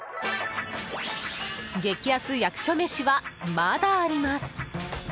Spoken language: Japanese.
激安役所メシはまだあります。